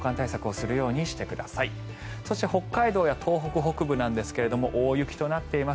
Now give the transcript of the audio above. そして北海道や東北北部なんですが大雪となっています。